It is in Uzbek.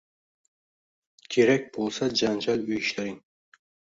Kerak bo‘lsa janjal uyushtiring.